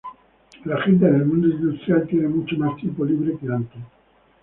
La gente en el mundo industrial tiene mucho más tiempo libre que antes.